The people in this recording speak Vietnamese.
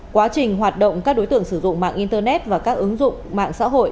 quá trình hoạt động các đối tượng sử dụng mạng internet và các ứng dụng mạng xã hội